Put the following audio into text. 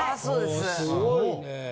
すごいね。